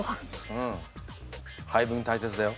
うん配分大切だよ。